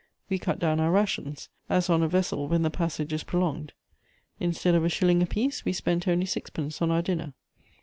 We cut down our rations, as on a vessel when the passage is prolonged. Instead of a shilling apiece, we spent only sixpence on our dinner.